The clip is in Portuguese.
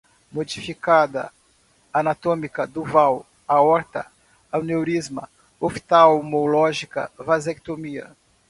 modificada, anatômica duval, aorta, aneurisma, oftalmológica, vasectomia